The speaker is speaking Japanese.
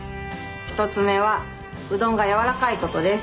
１つ目はうどんが柔らかいことです。